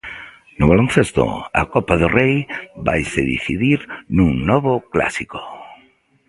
No baloncesto, a Copa do Rei vaise decidir nun novo Clásico.